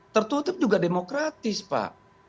tertutup juga demokratis pak